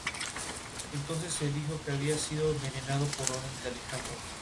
Adicionalmente, se puede conseguir una conversión de dos puntos de la misma forma.